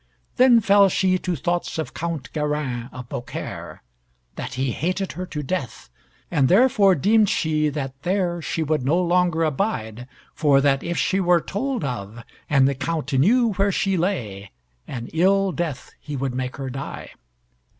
Then fell she to thoughts of Count Garin of Beaucaire, that he hated her to death; and therefore deemed she that there she would no longer abide, for that, if she were told of, and the Count knew where she lay, an ill death he would make her die.